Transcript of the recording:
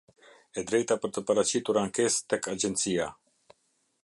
E drejta për të paraqitur ankesë tek agjencia.